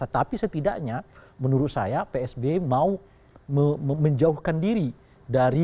tapi setidaknya menurut saya psb mau menjauhkan diri dari